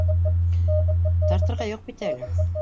— Тартырға юҡ бит әле